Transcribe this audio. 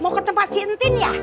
mau ke tempat si entin ya